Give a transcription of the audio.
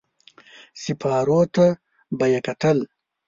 سېپارو ته به يې کتل.